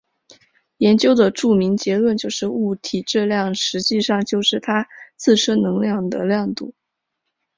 研究的著名结论就是物体质量实际上就是它自身能量的量度。